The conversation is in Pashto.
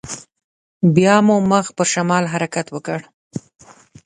بيا مو مخ پر شمال حرکت وکړ.